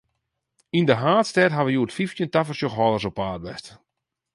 Yn de haadstêd hawwe hjoed fyftjin tafersjochhâlders op paad west.